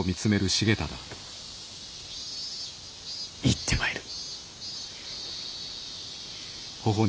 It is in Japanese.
行ってまいる。